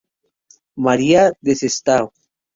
María de Sestao.